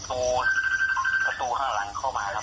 ใช่ครับมันพังประตูข้างหลังเข้ามาครับ